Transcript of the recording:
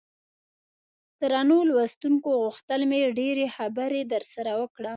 درنو لوستونکو غوښتل مې ډېرې خبرې درسره وکړم.